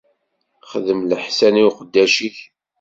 Xdem leḥsan i uqeddac-ik.